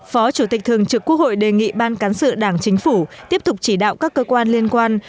phó chủ tịch thường trực quốc hội đề nghị ban cán sự đảng chính phủ tiếp tục chỉ đạo các cơ quan liên quan